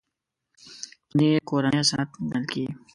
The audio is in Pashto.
پنېر کورنی صنعت ګڼل کېږي.